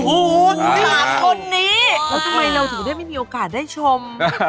หลานคนนี้แล้วทำไมเราถึงได้ไม่มีโอกาสได้ชม